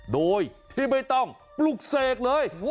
โดยที่ไม่ต้องปลุกเสกเลย